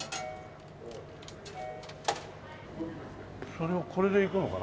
それをこれでいくのかな？